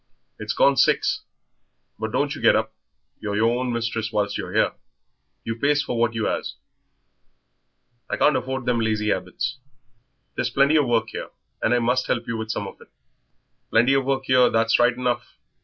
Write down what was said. "It's gone six; but don't you get up. You're your own mistress whilst you're here; you pays for what you 'as." "I can't afford them lazy habits. There's plenty of work here, and I must help you with some of it." "Plenty of work here, that's right enough.